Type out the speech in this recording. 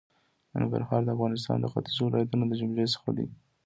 ننګرهار د افغانستان د ختېځو ولایتونو د جملې څخه دی.